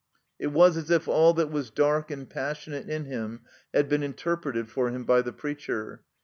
It was as if all that was dark and passionate in him had been interpreted for him by the preacher.